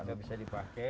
nggak bisa dipakai